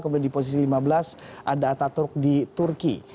kemudian di posisi lima belas ada ataturk di turki